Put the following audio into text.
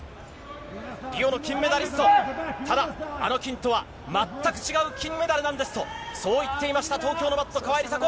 リオの金メダリスト、ただ、あの金とは全く違う金メダルなんですと、そう言っていました、東京のマット、川井梨紗子。